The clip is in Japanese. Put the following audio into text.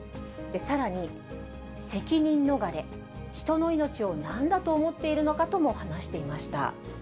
さらに、責任逃れ、人の命をなんだと思っているのかとも話していました。